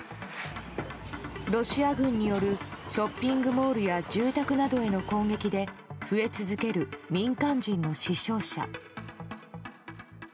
ロシア軍によるショッピングモールや住宅などへの攻撃で増え続ける民間人の死傷者。